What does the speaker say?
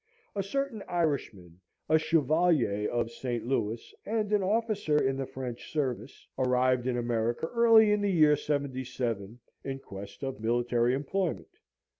A certain Irishman a Chevalier of St. Louis, and an officer in the French service arrived in America early in the year '77 in quest of military employment.